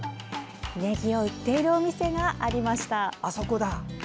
ねぎを売っているお店がありました。